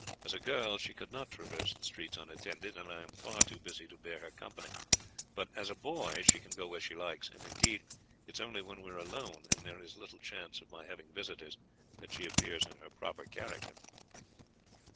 As a girl she could not traverse the streets unattended, and I am far too busy to bear her company; but as a boy she can go where she likes, and indeed it is only when we are alone, and there is little chance of my having visitors, that she appears in her proper character."